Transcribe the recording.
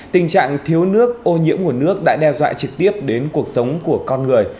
tình trạng thiếu nước ô nhiễm nguồn nước đã đe dọa trực tiếp đến cuộc sống của con người